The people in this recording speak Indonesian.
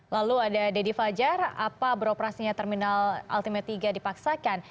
lalu ada deddy fajar apa beroperasinya terminal ultimate tiga dipaksakan